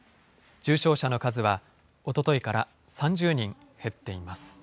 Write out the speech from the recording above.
重症者の数はおとといから３０人減っています。